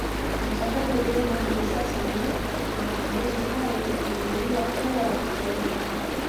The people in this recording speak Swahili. Mchakato uliopo hivi sasa ni Makumbusho hayo kuchukuliwa kuwa ya Kitaifa